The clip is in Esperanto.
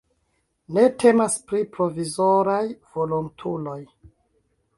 Ne temas pri "provizoraj" volontuloj.